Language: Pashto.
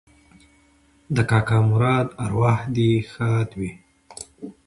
د کاکا مراد اوراح دې ښاده وي